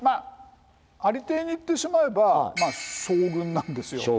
ありていに言ってしまえば将軍なんですよ。